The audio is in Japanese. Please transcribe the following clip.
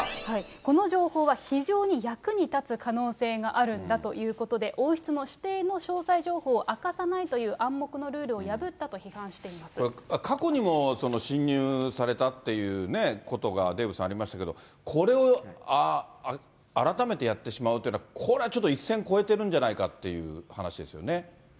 この情報は非常に役に立つ可能性があるんだということで、王室の私邸の詳細情報を明かさないという暗黙のルールを破ったとこれ、過去にもその侵入されたっていうね、ことがデーブさん、ありましたけど、これを改めてやってしまうっていうのは、これはちょっと一線越えてるんじゃないかっていう話ですよね。